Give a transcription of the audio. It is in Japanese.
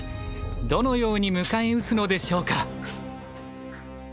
どのように迎え撃つのでしょうか。